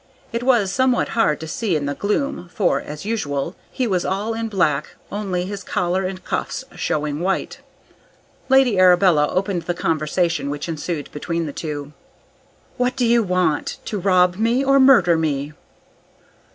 It was somewhat hard to see in the gloom, for, as usual, he was all in black, only his collar and cuffs showing white. Lady Arabella opened the conversation which ensued between the two. "What do you want? To rob me, or murder me?"